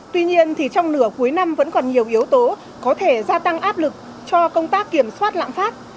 tuy nhiên trong nửa cuối năm vẫn còn nhiều yếu tố có thể gia tăng áp lực cho công tác kiểm soát lạm phát